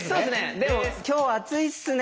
でも「今日暑いっすね」